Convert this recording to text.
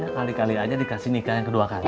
kali kali aja dikasih nikah yang kedua kali